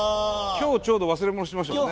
今日ちょうど忘れ物しましたもんね。